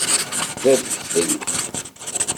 D adfel.